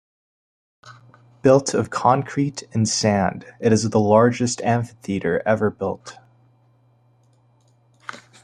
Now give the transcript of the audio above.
Built of concrete and sand, it is the largest amphitheatre ever built.